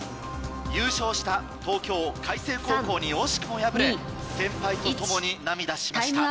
優勝した東京開成高校に惜しくも敗れ先輩とともに涙しました。